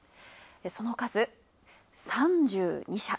その数３２社。